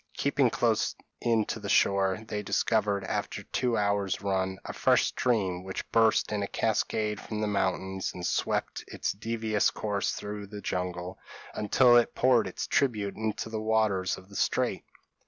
Keeping close in to the shore, they discovered, after two hours' run, a fresh stream which burst in a cascade from the mountains, and swept its devious course through the jungle, until it poured its tribute into the waters of the strait.